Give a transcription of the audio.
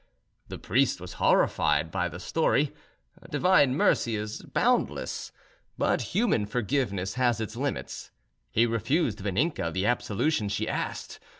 The priest was horrified by the story. Divine mercy is boundless, but human forgiveness has its limits. He refused Vaninka the absolution she asked.